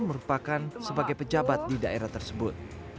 merupakan sebagai pejabat di daerah tersebut